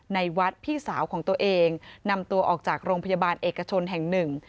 ในวัดพี่สาวของตัวเองนำตัวออกจากโรงพยาบาลเอกชนแห่งหนึ่ง